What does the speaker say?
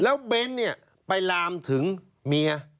แล้วเบ้นเนี่ยไปลามถึงเมีย